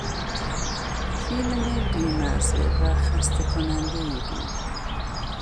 فیلم بیمزه و خستهکنندهای بود.